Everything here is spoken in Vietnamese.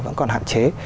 vẫn còn hạn chế